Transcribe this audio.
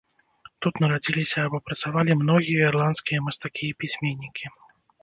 Тут нарадзіліся або працавалі многія ірландскія мастакі і пісьменнікі.